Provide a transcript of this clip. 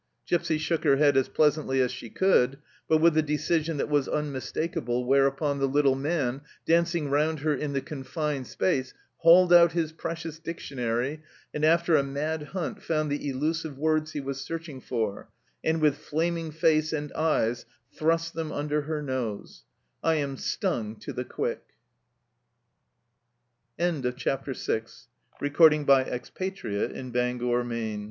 Gipsy shook her head as pleasantly as she could, but with a decision that was unmistakable, where upon, the little man, dancing round her in the confined space, hauled out his precious dictionary, and after a mad hunt found the elusive words he was searching for, and with flaming face and eyes thrust them under her nose :" I am stung to